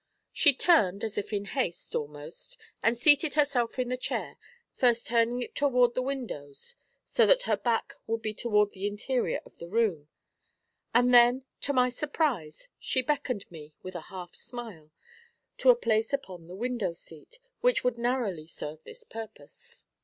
She turned as if in haste, almost, and seated herself in the chair, first turning it toward the windows so that her back would be toward the interior of the room, and then, to my surprise, she beckoned me, with a half smile, to a place upon the window seat, which would narrowly serve this purpose.